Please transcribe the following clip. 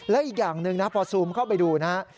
และอีกอย่างหนึ่งนะพอซูมเข้าไปดูนะฮะ